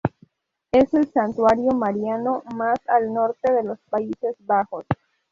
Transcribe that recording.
Es el santuario mariano más al norte de los Países Bajos.